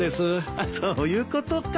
あっそういうことか。